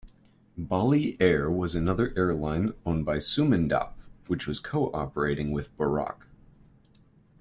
Bali Air was another airline owned by Sumendap, which was co-operating with Bouraq.